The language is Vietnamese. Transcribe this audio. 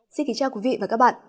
xin kính chào quý vị và các bạn